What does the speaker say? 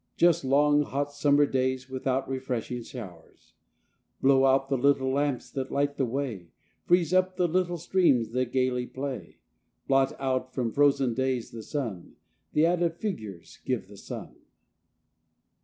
Just long hot summer days without refreshing showers. Blow out the little lamps that light the way Freeze up the little streams that gaily play, Blot out from frozen days the sun, The added figures give the sum.